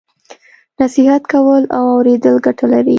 نصیحت کول او اوریدل ګټه لري.